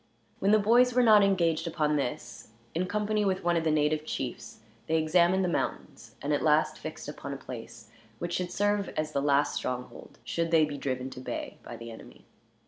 When the boys were not engaged upon this, in company with one of the native chiefs they examined the mountains, and at last fixed upon a place which should serve as the last stronghold, should they be driven to bay by the enemy.